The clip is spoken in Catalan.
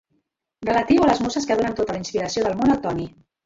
Relatiu a les muses que donen tota la inspiració del món al Toni.